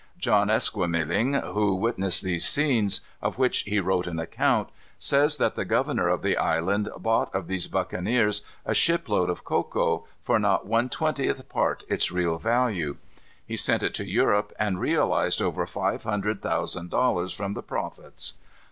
John Esquemeling, who witnessed these scenes, of which he wrote an account, says that the governor of the island bought of these buccaneers a shipload of cocoa, for not one twentieth part its real value. He sent it to Europe, and realized over five hundred thousand dollars from the profits.